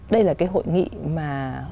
đây là cái hội nghị mà